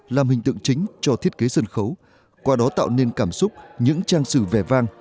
làm hình tượng chính cho thiết kế sân khấu qua đó tạo nên cảm xúc những trang sử vẻ vang